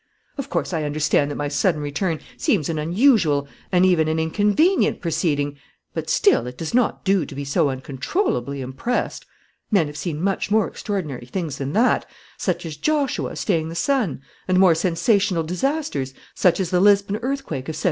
Of course, I understand that my sudden return seems an unusual and even an inconvenient proceeding, but still it does not do to be so uncontrollably impressed. Men have seen much more extraordinary things than that, such as Joshua staying the sun, and more sensational disasters, such as the Lisbon earthquake of 1755.